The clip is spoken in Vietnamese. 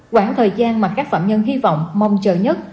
quãng thời gian mà các phạm nhân hy vọng mong chờ nhất